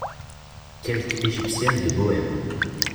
Quelque égyptienne de Bohême